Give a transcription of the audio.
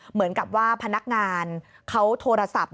เหมือนกับว่าพนักงานเขาโทรศัพท์